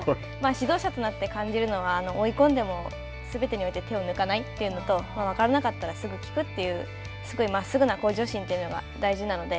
指導者となって感じるのは、追い込んでもすべてにおいて手を抜かないというのと分からなかったら、すぐ聞くという、すごいまっすぐな向上心というのが大事で。